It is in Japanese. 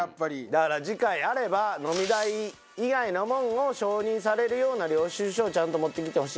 だから次回あれば飲み代以外のもんを承認されるような領収書をちゃんと持ってきてほしいな。